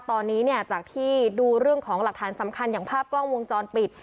ตอนนี้เนี่ยจากที่ดูเรื่องของหลักฐานสำคัญอย่างภาพกล้องวงจรปิด